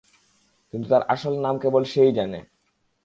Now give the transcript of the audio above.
কিন্তু তার আসল নাম কেবল সে-ই জানে।